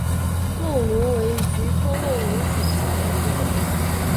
漏芦为菊科漏芦属下的一个种。